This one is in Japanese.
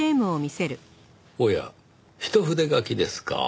おや一筆書きですか。